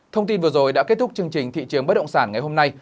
thông tin vừa rồi đã kết thúc chương trình thị trường bất động sản ngày hôm nay